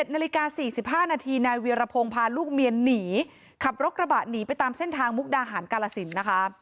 นาฬิกา๔๕นาทีนายเวียรพงศ์พาลูกเมียหนีขับรถกระบะหนีไปตามเส้นทางมุกดาหารกาลสินนะคะ